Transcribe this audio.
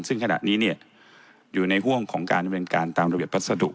ซึ่งขณะนี้เนี้ยอยู่ในห่วงของการอันเป็นการตามละเวียบพัฒน์ดุ